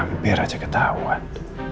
hampir aja ketahuan